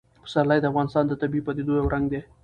پسرلی د افغانستان د طبیعي پدیدو یو رنګ دی.